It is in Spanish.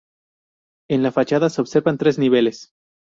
En la fachada se observan tres niveles.